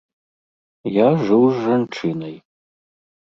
Я жыў з жанчынай.